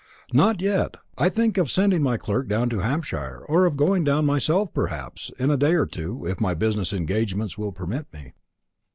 "Not yet. I think of sending my clerk down to Hampshire, or of going down myself perhaps, in a day or two, if my business engagements will permit me."